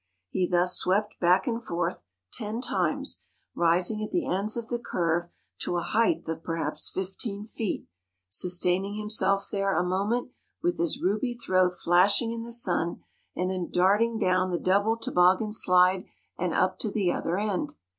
He thus swept back and forth ten times, rising at the ends of the curve to a height of perhaps fifteen feet, sustaining himself there a moment, with his ruby throat flashing in the sun, and then darting down the double toboggan slide and up to the other end.